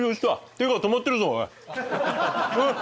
手が止まってるぞおい。